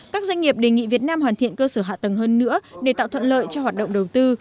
các doanh nghiệp đề nghị việt nam hoàn thiện cơ sở hạ tầng hơn nữa để tạo thuận lợi cho hoạt động đầu tư